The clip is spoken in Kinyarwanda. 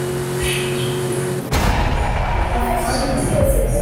ushinzwe iterambere haba ku buryo buziguye